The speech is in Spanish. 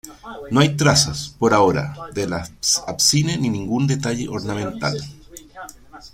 No hay trazas, por ahora, del ábside ni ningún detalle ornamental.